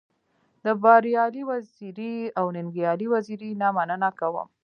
د بريالي وزيري او ننګيالي وزيري نه مننه کوم.